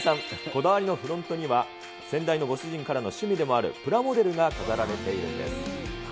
こだわりのフロントには先代のご主人からの趣味でもあるプラモデルが飾られているんです。